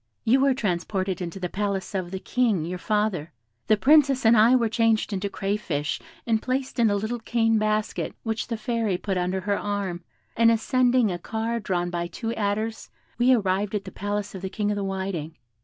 You were transported into the palace of the King, your father; the Princess and I were changed into crayfish, and placed in a little cane basket, which the Fairy put under her arm, and ascending a car drawn by two adders, we arrived at the palace of the King of the Whiting.